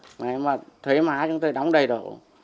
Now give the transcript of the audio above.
thế mà thuế má chúng tôi đóng đầy đổ